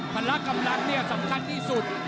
พละกำลังเนี่ยสำคัญที่สุด